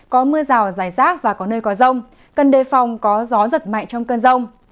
có mưa rào giải giác và có nơi có rông cân đề phòng có gió giật mạnh trong cân rông